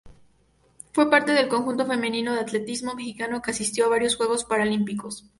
Fue parte del conjunto femenino de atletismo mexicano que asistió a varios Juegos Paralímpicos.